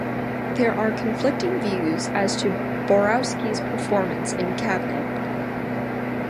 There are conflicting views as to Borowski's performance in cabinet.